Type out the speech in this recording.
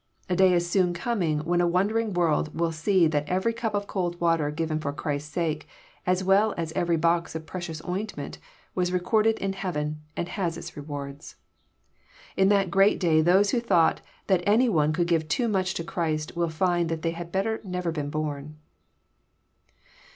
A day is soon coming when a wondering world will see that every cup of cold water given for Christ's sake, as well as. every box of precious ointment, was recorded in heaven, and has its rewards. In that great day those who thought that any one could give too much to Christ will find they had better never have been born.